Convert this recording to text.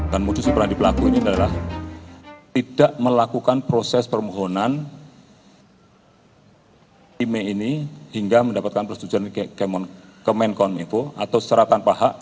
dan modus operandi pelaku ini adalah tidak melakukan proses permohonan imei ini hingga mendapatkan persetujuan ke kementerian informasi atau secara tanpa hak